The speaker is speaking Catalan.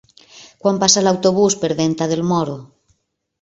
Quan passa l'autobús per Venta del Moro?